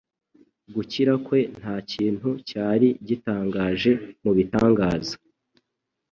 Gukira kwe ntakintu cyari gitangaje mubitangaza